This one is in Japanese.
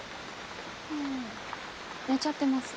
ああ寝ちゃってます。